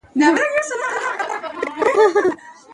ازادي راډیو د د بیان آزادي په اړه د امنیتي اندېښنو یادونه کړې.